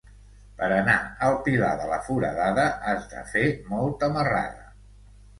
Per anar al Pilar de la Foradada has de fer molta marrada.